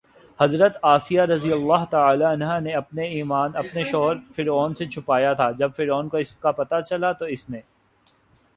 حضرت آسیہ رضی اللہ تعالٰی عنہا نے اپنا ایمان اپنے شوہر فرعون سے چھپایا تھا، جب فرعون کو اس کا پتہ چلا تو اس نے